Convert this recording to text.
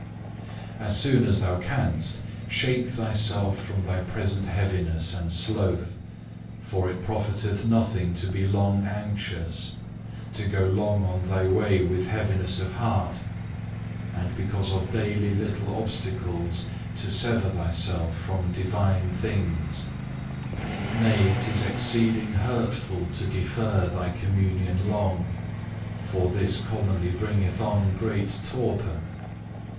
As soon as thou canst, shake thyself from thy present heaviness and sloth, for it profiteth nothing to be long anxious, to go long on thy way with heaviness of heart, and because of daily little obstacles to sever thyself from divine things: nay it is exceeding hurtful to defer thy Communion long, for this commonly bringeth on great torpor.